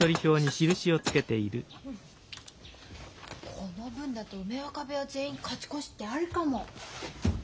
この分だと梅若部屋全員勝ち越しってアリかも。